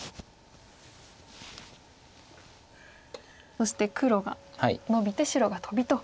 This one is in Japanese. そして黒がノビて白がトビと。